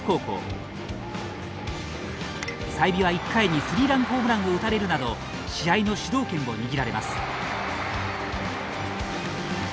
済美は１回にスリーランホームランを打たれるなど試合の主導権を握られます。